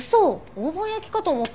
大判焼きかと思った。